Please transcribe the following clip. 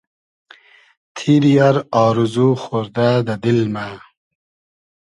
تیری آر آرزو خۉردۂ دۂ دیل مۂ